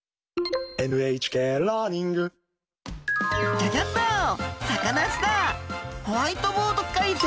「ギョギョッとサカナ★スター」ホワイトボード解説！